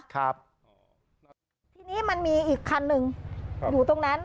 ทีนี้มันมีอีกคันหนึ่งอยู่ตรงนั้น